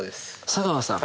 佐川さん